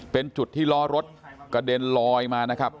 เป็นจุดที่ล้อรถกระเด็นลอยมานะครับ